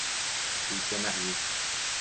Il s'est marié.